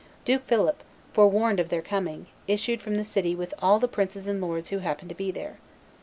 Duke Philip, forewarned of their coming, issued from the city with all the princes and lords who happened to be there.